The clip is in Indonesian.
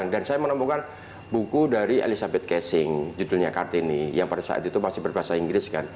dan saya menemukan buku dari elizabeth kessing judulnya kartini yang pada saat itu masih berbahasa inggris kan